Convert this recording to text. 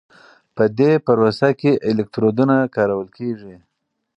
په دې پروسه کې الکترودونه کارول کېږي.